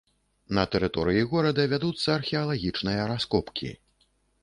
На тэрыторыі горада вядуцца археалагічныя раскопкі.